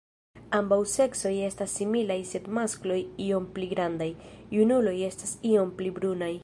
Ambaŭ seksoj estas similaj sed maskloj iom pli grandaj; junuloj estas iom pli brunaj.